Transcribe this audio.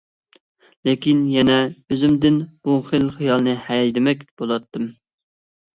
لېكىن يەنە ئۆزۈمدىن بۇ خىل خىيالنى ھەيدىمەك بولاتتىم.